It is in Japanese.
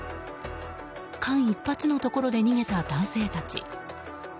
間一髪のところで逃げた男性たち。